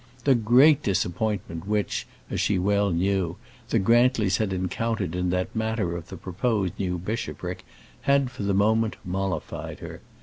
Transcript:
The great disappointment which, as she well knew, the Grantlys had encountered in that matter of the proposed new bishopric had for the moment mollified her.